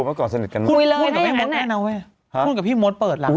เมื่อก่อนสนิทกันนั้นคุยเลยนะอย่างนั้นแม่น้าเว่ยห้ะพี่มดเปิดหลัง